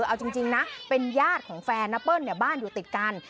เอาจริงนะเป็นญาติของแฟนนะเปิ้ลบ้านอยู่ติดกัน